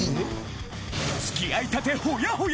付き合いたてほやほや！